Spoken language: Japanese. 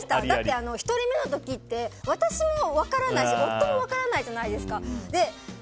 だって、１人目の時って私も分からないし夫も分からないじゃないですか。